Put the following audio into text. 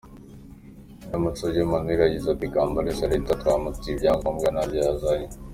Niyomusabye Emmanuel yagize ati: “Kambale Salita twamutumye ibyangombwa ntabyo yazanye.